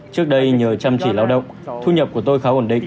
trước đây nhờ chăm chỉ lao động thu nhập của tôi khá ổn định